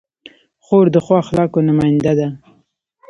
خور د ښو اخلاقو نماینده ده.